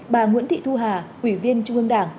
bà nguyễn thị thu hà ủy viên trung ương đảng